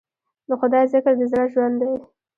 د خدای ذکر د زړه ژوند دی.